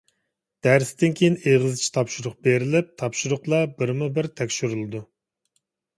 دەرستىن كېيىن ئېغىزچە تاپشۇرۇق بېرىلىپ، تاپشۇرۇقلار بىرمۇبىر تەكشۈرۈلىدۇ.